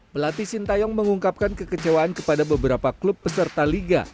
pelatih sintayong mengungkapkan kekecewaan kepada beberapa klub peserta liga